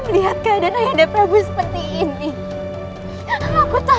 lihat keadaan ayah dan prabu seperti ini